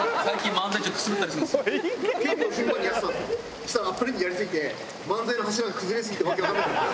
そしたらあまりにやりすぎて漫才の柱が崩れすぎて訳わかんなくなった。